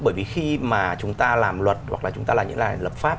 bởi vì khi mà chúng ta làm luật hoặc là chúng ta làm những loại lập pháp